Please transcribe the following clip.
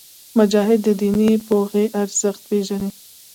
مجاهد د دیني پوهې ارزښت پېژني.